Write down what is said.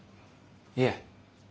いえ。